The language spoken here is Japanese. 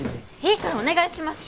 いいからお願いします！